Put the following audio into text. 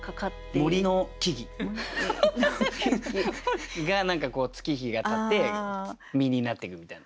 「森の木々」。が月日がたって実になっていくみたいな。